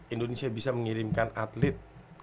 indonesia bisa mengirimkan atlet